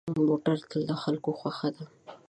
موټر تل د خلکو خوښه ده.